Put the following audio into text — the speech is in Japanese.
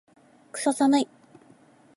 クソ寒い